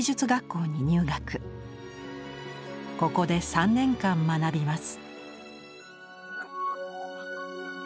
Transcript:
ここで３年間学びます。